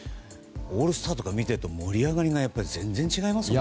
オールスターとか見てると盛り上がりが全然違いますよね。